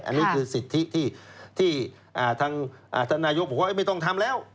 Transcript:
อันนี้คือสิทธิที่ทางท่านนายกบอกว่าไม่ต้องทำแล้ว